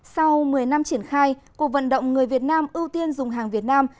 sau một mươi năm triển khai cuộc vận động người việt nam ưu tiên dùng hàng việt nam